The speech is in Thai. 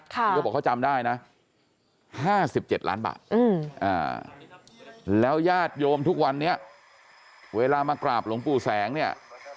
เขาบอกเขาจำได้นะ๕๗ล้านบาทแล้วญาติโยมทุกวันนี้เวลามากราบหลวงปู่แสงเนี่ย